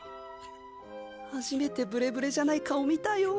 初めてブレブレじゃない顔見たよ。